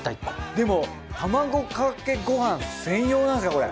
でも卵かけごはん専用なんですよこれ。